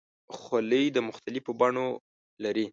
خولۍ د مختلفو بڼو لري.